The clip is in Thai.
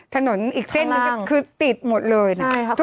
ถนนอีกเส้นหนึ่งก็คือติดหมดเลยนะ